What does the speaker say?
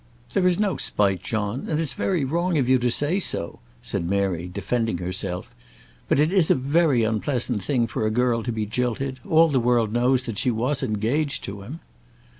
"There is no spite, John; and it's very wrong of you to say so," said Mary, defending herself. "But it is a very unpleasant thing for a girl to be jilted. All the world knows that she was engaged to him."